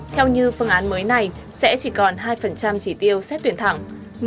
theo như phương án mới này sẽ chỉ còn hai chỉ tiêu xét tuyển thẳng